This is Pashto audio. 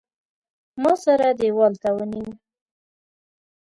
ما سره دېوال ته ونیو.